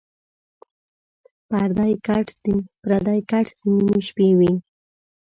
پردی کټ دَ نیمې شپې وي